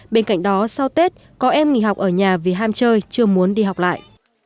bên cạnh đó sau tết có em nghỉ học ở nhà vì ham chơi chưa muốn đi học lại